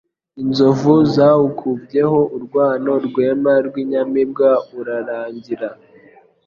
Inzovu zawukubyeho urwano rwema rw,inyamibwa urarangira